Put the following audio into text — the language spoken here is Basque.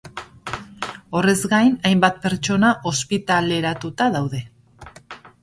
Horrez gain, hainbat pertsona ospitaleratuta daude.